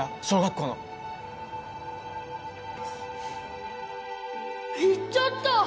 小学校の言っちゃった